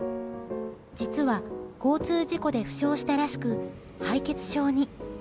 実は、交通事故で負傷したらしく敗血症に。